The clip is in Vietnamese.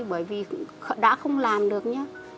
bởi vì đã không làm được nhé